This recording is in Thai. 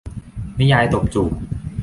นิยายตบจูบ